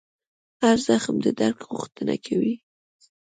هر زخم د درک غوښتنه کوي.